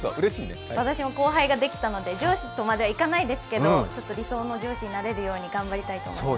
私も後輩ができたので、上司とまではいかないですけど理想の上司になれるように頑張りたいと思います。